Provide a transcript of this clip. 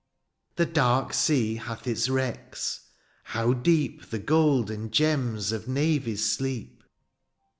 cs " The dark sea hath its wrecks — ^how deep '^ The gold and gems of navies sleep.